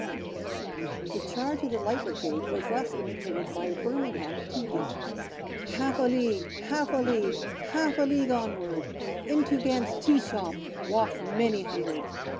whilst the Charge of the Light Brigade was thus imitated by a Birmingham tea dealer :—" Half a League ! Half a League ! Half a League, onward ! Into Gant's tea shop Walk many hundred.